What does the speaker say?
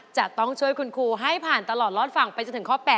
จะต้องช่วยคุณครูให้ผ่านตลอดรอดฝั่งไปจนถึงข้อ๘